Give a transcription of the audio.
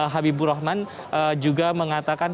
habibur rahman juga mengatakan